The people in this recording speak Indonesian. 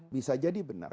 bisa jadi benar